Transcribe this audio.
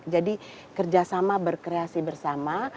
jadi kerjasama berkreasi bersama